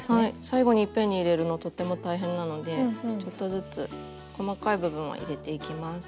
最後にいっぺんに入れるのとっても大変なのでちょっとずつ細かい部分は入れていきます。